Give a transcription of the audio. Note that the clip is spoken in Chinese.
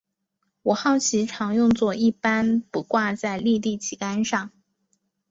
五号旗常用作一般不挂在立地旗杆上。